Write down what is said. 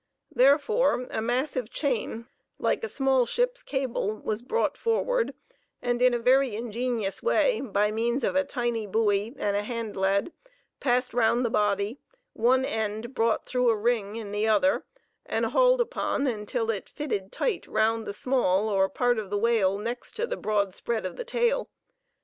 Therefore, a massive chain like a small ship's cable was brought forward, and in a very ingenious way, by means of a tiny buoy and a hand lead, passed round the body, one end brought through a ring in the other, and hauled upon until it fitted tight round the "small" or part of the whale next the broad spread of the tail.